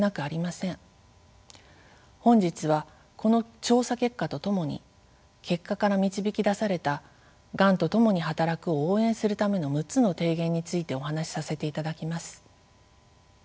本日はこの調査結果とともに結果から導き出された「がんとともに働く」を応援するための６つの提言についてお話しさせていただきます。